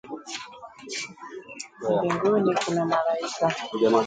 Mbinguni kuna malaika